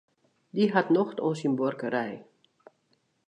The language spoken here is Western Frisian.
Dy hat nocht oan syn buorkerij.